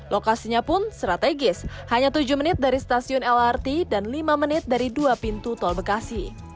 lokasinya pun strategis hanya tujuh menit dari stasiun lrt dan lima menit dari dua pintu tol bekasi